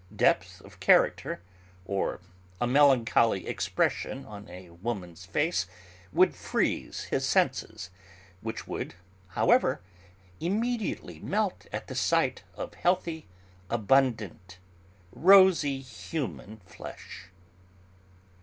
Depth of character, or a melancholy expression on a woman's face would freeze his senses, which would, however, immediately melt at the sight of healthy, abundant, rosy human flesh.